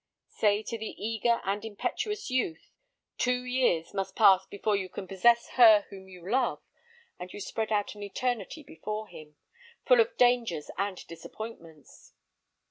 Say to the eager and impetuous youth, two years must pass before you can possess her whom you love, and you spread out an eternity before him, full of dangers and disappointments.